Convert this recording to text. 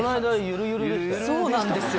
そうなんですよ。